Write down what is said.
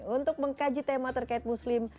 untuk mengkaji tema terkait muslim